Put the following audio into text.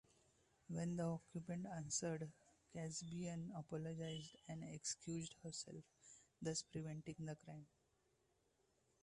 When the occupant answered, Kasabian apologized and excused herself, thus preventing the crime.